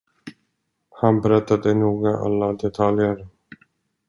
Han berättade noga alla detaljer.